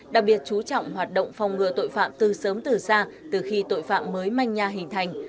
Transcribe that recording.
đặc biệt chú trọng hoạt động phòng ngừa tội phạm từ sớm từ xa từ khi tội phạm mới manh nha hình thành